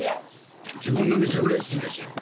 自分の店うれしいでしょ。